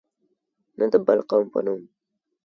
نه د بل قوم په نوم.